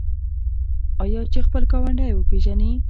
آیا چې خپل ګاونډی وپیژني؟